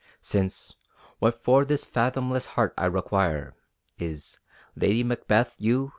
Since, what for this fathomless heart I require Is Lady Macbeth you!